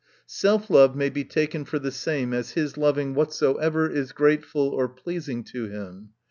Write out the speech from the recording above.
Self love may be taken for the same as his loving whatsoever is gratefu. or pleasing to him.